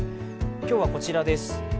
今日はこちらです。